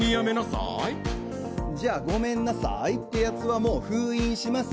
じゃあ、ごめんなさーいってやつはもう封印します